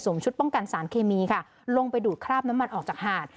ชุดป้องกันสารเคมีค่ะลงไปดูดคราบน้ำมันออกจากหาด